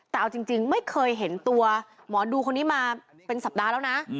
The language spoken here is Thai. แต่เอาจริงไม่เคยเห็นตัวหมอดูคนนี้มาเป็นสัปดาห์แล้วนะ